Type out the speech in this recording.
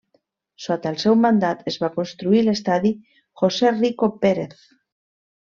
Sota el seu mandat es va construir l'estadi José Rico Pérez.